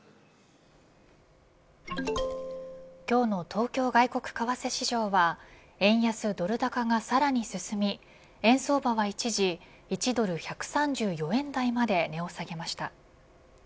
今日の東京外国為替市場は円安ドル高がさらに進み円相場は一時１ドル１３４円台まで値を下げました。